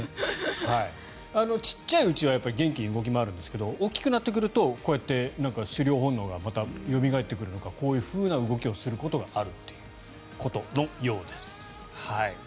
ちっちゃいうちは元気に動き回るんですが大きくなってくると、こうやって狩猟本能がまたよみがえってくるのかこういうふうな動きをすることがあるということのようです。